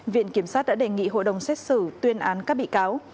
viện kiểm sát đã đề nghị hội đồng xét xử tuyên án các bị cáo